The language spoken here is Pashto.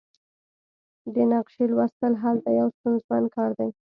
د نقشې لوستل هلته یو ستونزمن کار دی